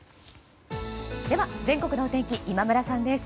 では全国のお天気今村さんです。